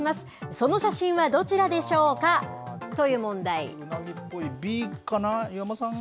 その写真はどちらでしょうかといＢかな、岩間さん。